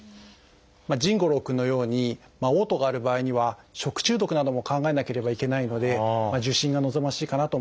臣伍朗くんのようにおう吐がある場合には食中毒なども考えなければいけないので受診が望ましいかなと思います。